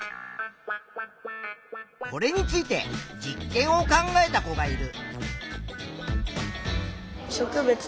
これについて実験を考えた子がいる。